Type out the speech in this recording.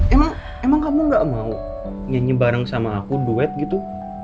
emang emang kamu gak mau nyanyi bareng sama aku duet gitu